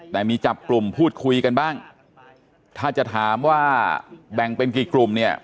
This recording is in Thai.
แต่มีจับกลุ่มพูดคุยกันบ้างถ้าจะถามว่าแบ่งเป็นกี่กลุ่มเนี่ย